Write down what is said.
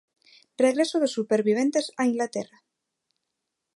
Regreso dos superviventes a Inglaterra.